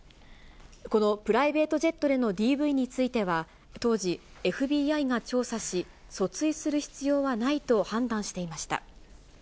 このプライベートジェットでのＤＶについては、当時、ＦＢＩが調査し、訴追する必要はないと判断していました。